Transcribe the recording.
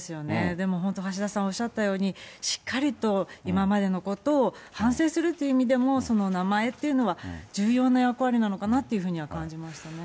でも本当、橋田さんおっしゃったように、しっかりと今までのことを反省するという意味でも、その名前っていうのは、重要な役割なのかなっていうふうには感じましたね。